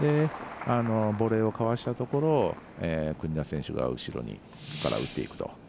ボレーをかわしたところ国枝選手が後ろから打っていくと。